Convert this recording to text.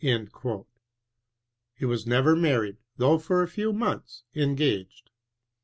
He was never mar ried, though for a few months engaged.